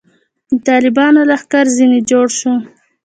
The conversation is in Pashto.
د طالبانو لښکر ځنې جوړ شو.